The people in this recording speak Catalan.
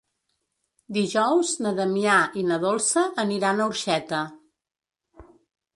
Dijous na Damià i na Dolça aniran a Orxeta.